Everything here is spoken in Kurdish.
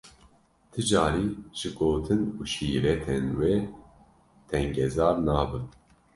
Ti carî ji gotin û şîretên wê tengezar nabim.